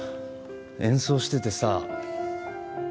演奏しててさ